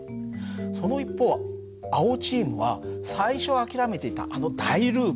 その一方青チームは最初諦めていたあの大ループ